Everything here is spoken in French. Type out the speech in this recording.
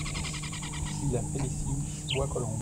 Villa Félicie, Bois-Colombes